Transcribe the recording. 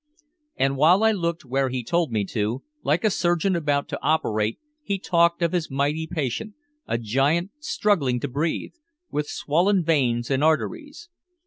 And while I looked where he told me to, like a surgeon about to operate he talked of his mighty patient, a giant struggling to breathe, with swollen veins and arteries.